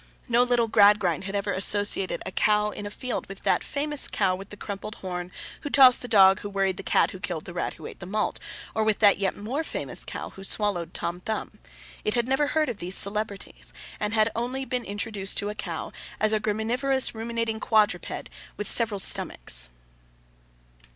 No little Gradgrind had ever associated a cow in a field with that famous cow with the crumpled horn who tossed the dog who worried the cat who killed the rat who ate the malt, or with that yet more famous cow who swallowed Tom Thumb: it had never heard of those celebrities, and had only been introduced to a cow as a graminivorous ruminating quadruped with several stomachs.